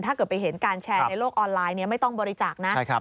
ถ้าเกิดไปเห็นการแชร์ในโลกออนไลน์ไม่ต้องบริจาคนะ